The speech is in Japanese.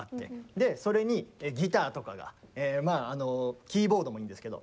でそれにギターとかがまあキーボードもいいんですけど。